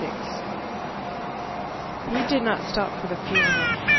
VI He did not stop for the funeral.